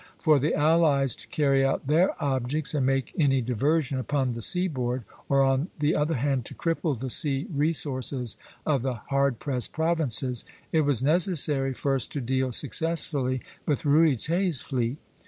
For the allies to carry out their objects and make any diversion upon the seaboard, or on the other hand to cripple the sea resources of the hard pressed Provinces, it was necessary first to deal successfully with Ruyter's fleet.